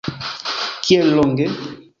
Kiel longe?